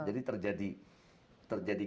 jadi terjadi gempa gempa kecil ya